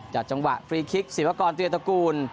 จัดจังหวะฟรีคิกศิริพากรตัวเองตระกูล